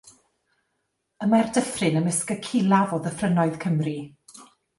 Y mae'r dyffryn ymysg y culaf o ddyffrynnoedd Cymru.